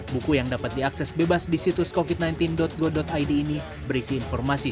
buku yang dapat diakses bebas di situs covid sembilan belas go id ini berisi informasi